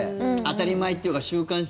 当たり前というか習慣。